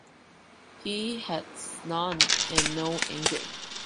He has none, and no anger.